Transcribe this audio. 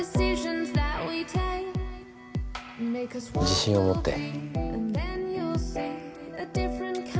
自信を持って。